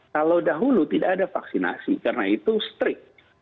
kalau dahulu tidak ada vaksinasi karena itu strict